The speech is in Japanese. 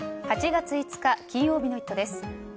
８月５日、金曜日の「イット！」です。